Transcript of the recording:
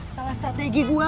salah strategi gua